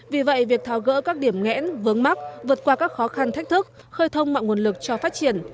vì vậy việc tháo gỡ các điểm nghẽn vướng mắt vượt qua các khó khăn thách thức khơi thông mọi nguồn lực cho phát triển